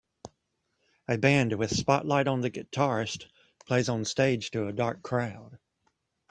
A band, with spotlight on the guitarist, plays on stage to a dark crowd.